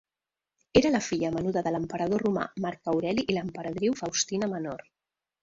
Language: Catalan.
Era la filla menuda de l'Emperador Romà Marc Aureli i l'Emperadriu Faustina Menor.